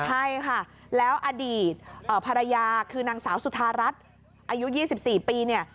ใช่ค่ะแล้วอดีตภรรยาคือนางสาวสุธารัฐอายุ๒๔ปีเนี่ย